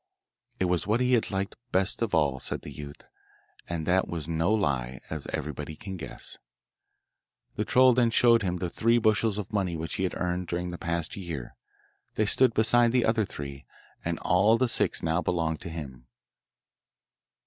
It was what he had liked best of all, said the youth, and that was no lie, as everybody can guess. The troll then showed him the three bushels of money which he had earned during the past year; they stood beside the other three, and all the six now belonged to him.